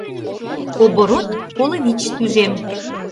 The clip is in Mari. Оборот коло вич тӱжем.